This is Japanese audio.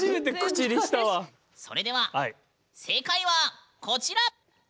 それでは正解はこちら！